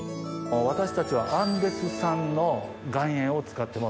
私たちはアンデス産の岩塩を使ってます。